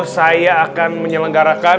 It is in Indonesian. saya akan menyelenggarakan